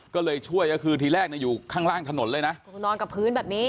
ก็เลยช่วยก็คือทีแรกเนี่ยอยู่ข้างล่างถนนเลยนะนอนกับพื้นแบบนี้